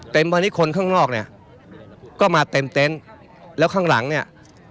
พอดีคนข้างนอกเนี่ยก็มาเต็มเต็นต์แล้วข้างหลังเนี่ย